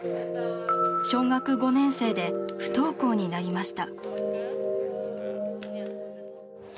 小学５年生で不登校になりました。